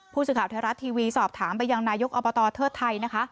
ผู้สิทธิ์ข่าวไทยรัฐทีวีสอบถามไปยังนายกอบตเทอดไทย